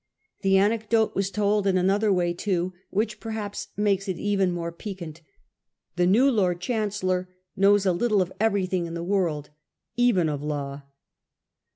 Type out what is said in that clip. The anecdote is told in another way too, which per haps makes it even more piquant. c The new Lord Chancellor knows a little of everything in the world —even of law.